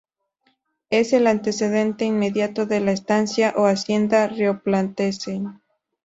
Es el antecedente inmediato de la estancia, o hacienda rioplatense.